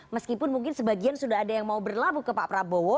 meskipun mungkin sebagian sudah ada yang mau berlabuh ke pak prabowo